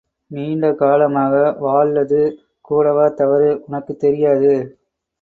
நீண்ட காலமாக வாழ்லது கூடவா தவறு? உனக்குத் தெரியாது.